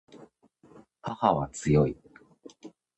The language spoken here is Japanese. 母は強い